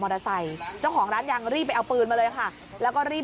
เจ้าของร้านยังรีบไปเอาปืนมาเลยค่ะแล้วก็รีบ